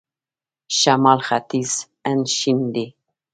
شمال ختیځ هند شین دی.